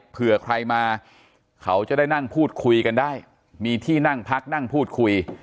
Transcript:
เผื่อใครมาเขาจะได้นั่งพูดคุยกันได้มีที่นั่งพักนั่งพูดคุย